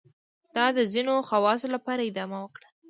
دا د ځینو خواصو لپاره ادامه وکړه.